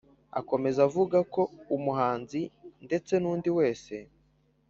akomeza avuga ko umuhanzi ndetse n’undi wese,